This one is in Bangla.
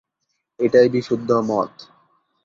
এটাই বিশুদ্ধ মত।